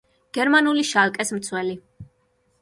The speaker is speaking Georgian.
გერმანული „შალკეს“ მცველი.